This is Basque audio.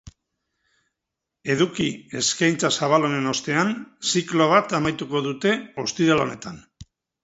Eduki eskaintza zabal honen ostean, ziklo bat amaituko dute ostiral honetan.